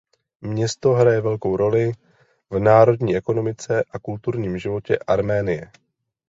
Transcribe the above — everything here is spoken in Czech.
Město hraje velkou roli v národní ekonomice a kulturním životě Arménie.